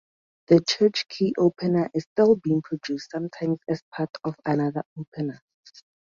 The church key opener is still being produced, sometimes as part of another opener.